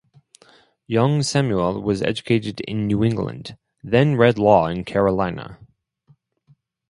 Young Samuel was educated in New England, then read law in Carolina.